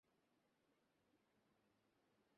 হয়তো ইদুর ভেতরে ঢুকে গিয়েছিল।